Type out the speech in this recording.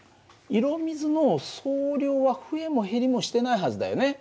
色水の総量は増えも減りもしてないはずだよね。